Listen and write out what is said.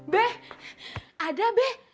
beh ada beh